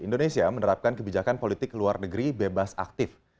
indonesia menerapkan kebijakan politik luar negeri bebas aktif